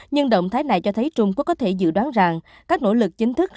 nhưng động thái này cho thấy trung quốc có thể dự đoán rằng các nỗ lực chính thức